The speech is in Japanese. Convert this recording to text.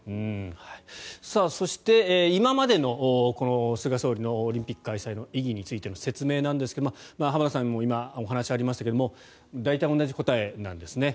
そして、今までの菅総理のオリンピック開催の意義についての説明なんですが浜田さんも今、お話ありましたが大体同じ答えなんですね。